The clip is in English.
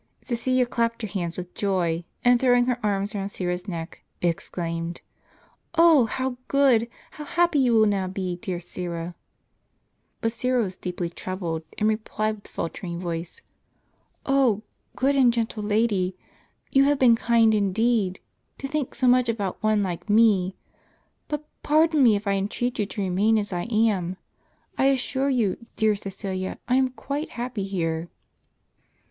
Ciecilia clapped her hands with joy, and throwing her arms round Syra's neck, exclaimed :" Oh, how good ! How happy you will now be, dear Syra !" But Syra was deeply troubled, and replied with faltering voice, " 0 good and gentle lady, you have been kind indeed, to think so much about one like me. But pardon me if I entreat you to remain as I am; I assure you, dear Csecilia, I am quite happy here."